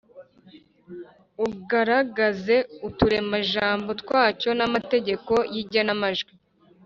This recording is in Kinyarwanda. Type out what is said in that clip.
ugaragaze uturemajambo twacyo namategeko yigenamajwi